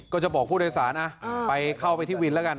ก็จะบอกผู้โดยสารนะไปเข้าไปที่วินแล้วกัน